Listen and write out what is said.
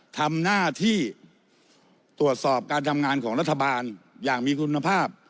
ทำหน้าที่ตรวจสอบการทำงานของรัฐบาลอย่างมีคุณภาพ